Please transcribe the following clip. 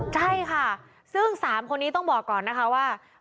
ใช่ค่ะซึ่ง๓คนนี้ต้องบอกก่อนนะคะว่า